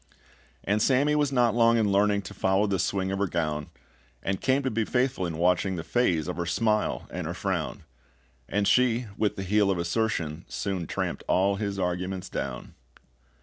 And Sammy was not long in learning To follow the swing of her gown, And came to be faithful in watching The phase of her smile and her frown; And she, with the heel of assertion, soon tramped all his arguments down.